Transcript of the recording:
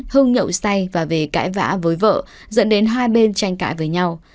hưng nhậu say và về cãi vã với vợ dẫn đến hai bên tranh cãi với nhau